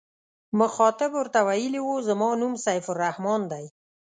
مخاطب ورته ویلي و زما نوم سیف الرحمن دی.